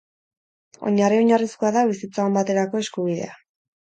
Oinarri oinarrizkoa da bizitza on baterako eskubidea.